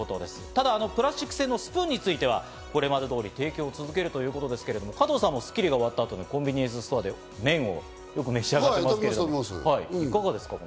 ただ、プラスチック製のスプーンについてはこれまで通り提供を続けるということですけど、加藤さんも『スッキリ』が終わった後にコンビニエンスストアで、よく麺を召し上がってますね。